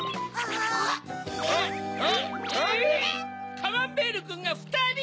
カマンベールくんがふたり！